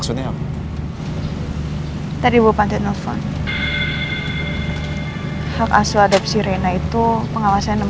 sejak tahun dua ribu